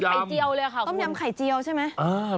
เหมือนไข่เจียวเลยอ่ะคุณเลือดต้มยำไข่เจียวใช่ไหม